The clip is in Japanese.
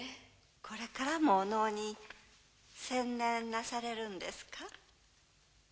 これからもお能に専念なされるんですか？